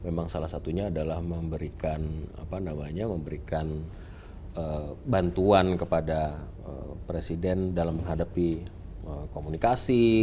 memang salah satunya adalah memberikan bantuan kepada presiden dalam menghadapi komunikasi